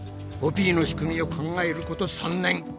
コピーの仕組みを考えること３年。